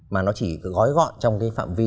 mà nó chỉ gói gọn trong cái phạm vi